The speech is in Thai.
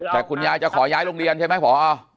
แต่คุณยายจะขอย้ายโรงเรียนใช่ไหมพอ